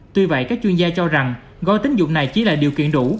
tuy vậy các chuyên gia cho rằng gói tính dụng này chỉ là điều kiện đủ